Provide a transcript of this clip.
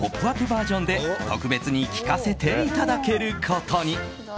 バージョンで特別に聞かせていただけることに！